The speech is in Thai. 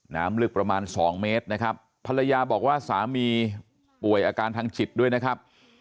น้ำลึกประมาณสองเมตรนะครับภรรยาบอกว่าสามีป่วยอาการทางจิตด้วยนะครับ